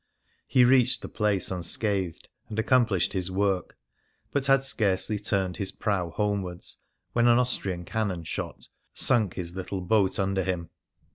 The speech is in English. He reached the place unscathed, and accom plished his work, but had scarcely turned his prow homewards when an Austrian cannon shot sunk his little boat under him.